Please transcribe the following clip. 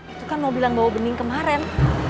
itu kan mau bilang bawa bening kemaren